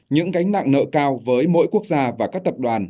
những gánh nặng nợ cao với mỗi quốc gia và các tập đoàn